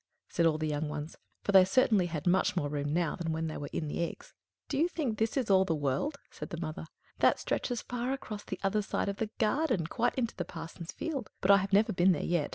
said all the young ones, for they certainly had much more room now than when they were in the eggs. "D'ye think this is all the world?" said the mother. "That stretches far across the other side of the garden, quite into the parson's field; but I have never been there yet.